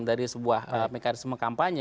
dari sebuah mekanisme kampanye